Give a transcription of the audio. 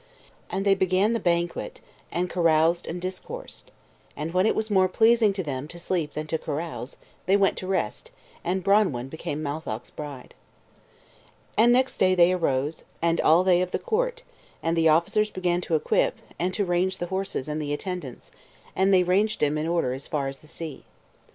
And they began the banquet, and caroused and discoursed. And when it was more pleasing to them to sleep than to carouse, they went to rest, and Branwen became Matholch's bride. And next day they arose, and all they of the court, and the officers began to equip, and to range the horses and the attendants, and they ranged them in order as far as the sea.